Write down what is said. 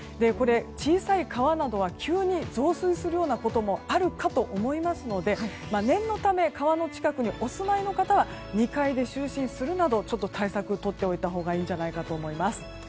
小さい川などは急に増水するようなこともあるかと思いますので念のため川の近くにお住まいの方は２階で就寝するなど対策をとっておいたほうがいいんじゃないかと思います。